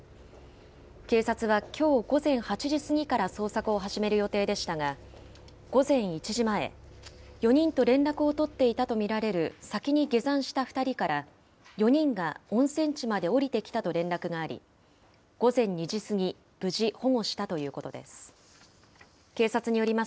警察はきょう午前８時過ぎから捜索を始める予定でしたが、午前１時前、４人と連絡を取っていたと見られる先に下山した２人から、４人が温泉地まで下りてきたと連絡があり、午前２時過ぎ、無事保護したということです。